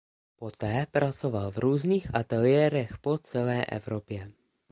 Poté pracoval v různých ateliérech po celé Evropě.